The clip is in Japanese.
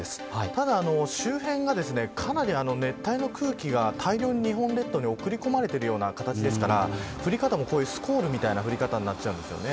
ただ周辺が、かなり熱帯の空気が大量に日本列島に送り込まれているような形ですから、降り方もこういうスコールみたいな降り方になっちゃうんです。